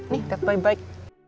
nih liat baik baik